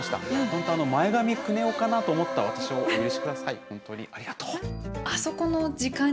本当、あの前髪クネ男かなと思った私をお許しください。